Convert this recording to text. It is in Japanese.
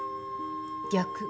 逆？